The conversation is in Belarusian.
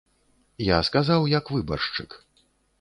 Я сказаў як выбаршчык.